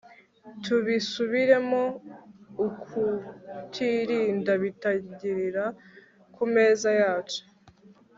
Tubisubiremo ukutirinda bitangirira ku meza yacu